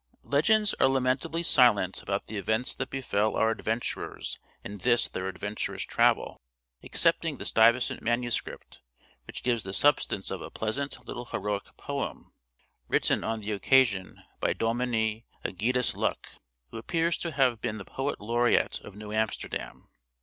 Legends are lamentably silent about the events that befell our adventurers in this their adventurous travel, excepting the Stuyvesant manuscript, which gives the substance of a pleasant little heroic poem, written on the occasion by Dominie Ægidius Luyck, who appears to have been the poet laureate of New Amsterdam.